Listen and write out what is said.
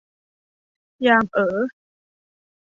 ยามเอ๋อ